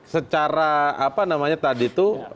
secara apa namanya tadi itu